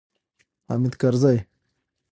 حامد کرزی